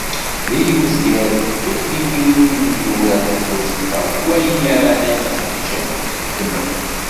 D yiwet gar tddukkliwin timezwura di tmurt-nneɣ deg wayen yeɛnan leqdicat i t-xeddem.